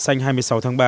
xanh hai mươi sáu tháng ba